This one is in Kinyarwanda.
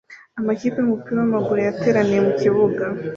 Amakipe yumupira wamaguru yateraniye mukibuga